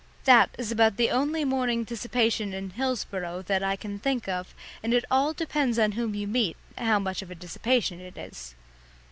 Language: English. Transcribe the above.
That is about the only morning dissipation in Hillsboro that I can think of, and it all depends on whom you meet, how much of a dissipation it is.